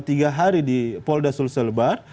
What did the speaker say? tiga hari di polda sulsellebar